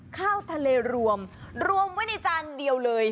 ข้าวทะเลรวมรวมไว้ในจานเดียวเลย